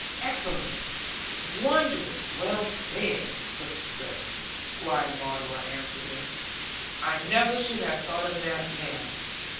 '"Excellent, wondrous well said, good sir," Squire Maunder answered him; "I never should have thought of that now.